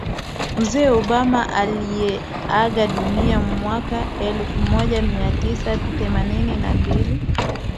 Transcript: Mzee Obama aliyeaga dunia mwaka elfu moja mia tisa themanini na mbili